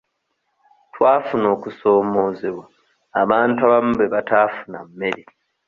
Twafuna okusoomoozebwa abantu abamu bwe bataafuna mmere.